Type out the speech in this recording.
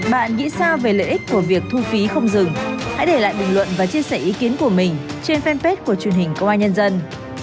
bạn nghĩ sao về lợi ích của việc thu phí không dừng hãy để lại bình luận và chia sẻ ý kiến của mình trên fanpage của truyền hình công an nhân dân